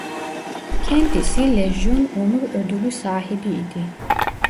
Kendisi "Lejyon Onur ödülü" sahibi idi.